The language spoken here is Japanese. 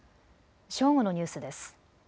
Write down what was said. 正午のニュースです。